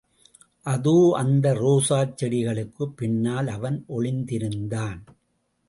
அதோ அந்த ரோஜாச்செடிகளுக்குப் பின்னால் அவன் ஒளிந்திருந்தான்.